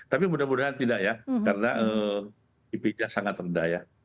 tapi mudah mudahan tidak ya karena ipidnya sangat rendah ya